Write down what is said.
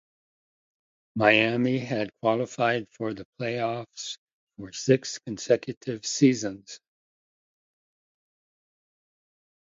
Miami had qualified for the playoffs for six consecutive seasons.